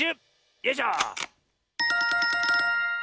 よいしょ。